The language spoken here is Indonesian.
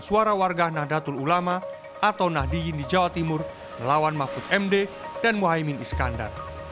suara warga nahdlatul ulama atau nahdiyin di jawa timur melawan mahfud md dan muhaymin iskandar